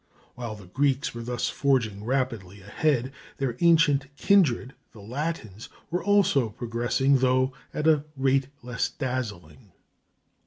] While the Greeks were thus forging rapidly ahead, their ancient kindred, the Latins, were also progressing, though at a rate less dazzling.